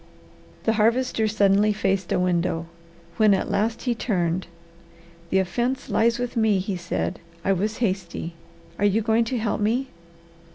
The Harvester suddenly faced a window. When at last he turned, "The offence lies with me," he said, "I was hasty. Are you going to help me?"